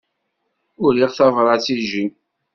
Uriɣ tabrat i Jim.